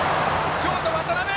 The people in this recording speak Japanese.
ショート、渡邊！